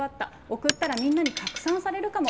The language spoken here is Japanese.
送ったらみんなに拡散されるかも。